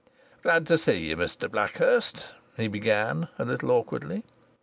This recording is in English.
"Glad to see you, Mr Blackhurst," he began, a little awkwardly.